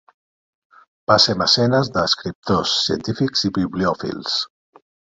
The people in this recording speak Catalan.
Va ser mecenes d'escriptors, científics i bibliòfils.